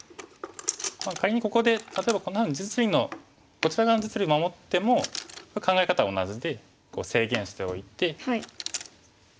仮にここで例えばこんなふうに実利のこちら側の実利を守っても考え方は同じで制限しておいて。